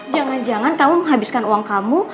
jangan jangan kamu menghabiskan uang kamu